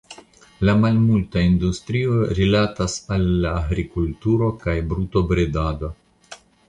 La malmulta industrio rilatas al la agrikulturo kaj brutobredado.